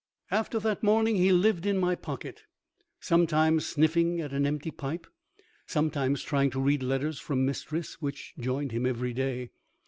After that morning he lived in my pocket, sometimes sniffing at an empty pipe, sometimes trying to read letters from Mistress which joined him every day.